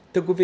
thưa quý vị